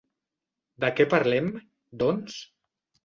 De què parlem, doncs?